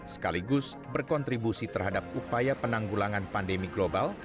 sekaligus berkontribusi terhadap upaya penanggulangan pandemi global